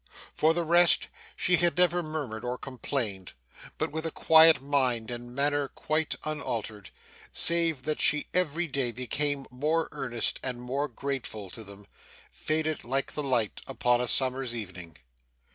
For the rest, she had never murmured or complained; but with a quiet mind, and manner quite unaltered save that she every day became more earnest and more grateful to them faded like the light upon a summer's evening.